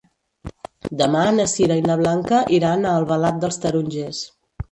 Demà na Sira i na Blanca iran a Albalat dels Tarongers.